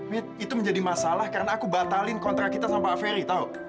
with itu menjadi masalah karena aku batalin kontrak kita sama pak ferry tau